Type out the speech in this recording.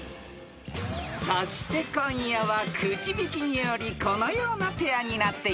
［そして今夜はくじ引きによりこのようなペアになっています］